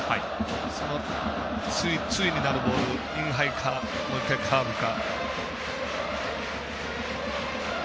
その対になるボールインハイか、もう１回カーブか。